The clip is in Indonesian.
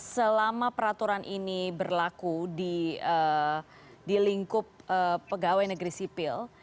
selama peraturan ini berlaku di lingkup pegawai negeri sipil